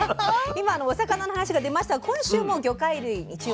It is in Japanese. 今お魚の話が出ましたが今週も魚介類に注目していきます。